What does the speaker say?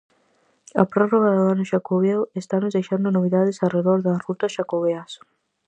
A prórroga do ano Xacobeo estanos deixando novidades arredor das rutas xacobeas.